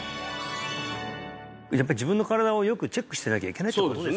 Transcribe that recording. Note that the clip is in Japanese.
やっぱり自分の身体をよくチェックしてなきゃいけないってことですね